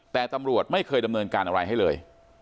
แต่ตำรวจไม่เคยดำเนินการอะไรให้เลย